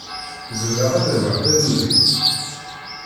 Zemreɣ ad awiɣ taduli?